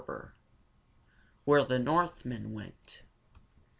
] IV. WHERE THE NORTHMEN WENT.